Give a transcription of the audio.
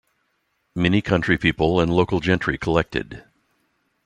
Many country people and local gentry collected.